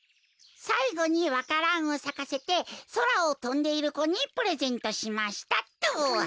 「さいごにわからんをさかせてそらをとんでいる子にプレゼントしました」っと。